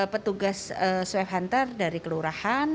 pertugas swap hunter dari kelurahan